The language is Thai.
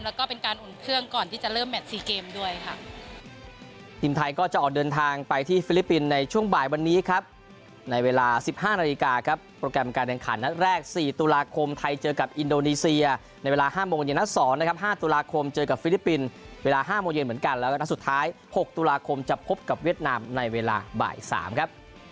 แล้วก็เป็นการอุ่นเครื่องก่อนที่จะเริ่มแมท๔เกมด้วยค่ะ